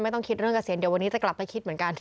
ต้องคิดเรื่องเกษียณเดี๋ยววันนี้จะกลับไปคิดเหมือนกัน